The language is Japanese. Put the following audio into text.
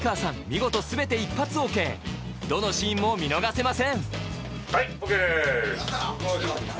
見事全て一発ＯＫどのシーンも見逃せません